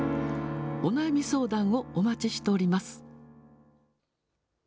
お悩み相談をお待ちしております。